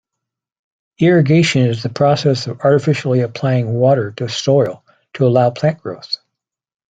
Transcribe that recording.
Irrigation is the process of artificially applying water to soil to allow plant growth.